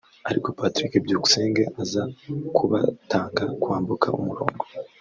ariko Patrick Byukusenge aza kubatanga kwambuka umurongo